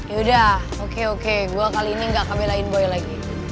yaudah oke oke gue kali ini gak akan belain boy lagi